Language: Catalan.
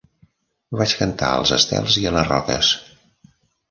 Vaig cantar als estels i a les roques.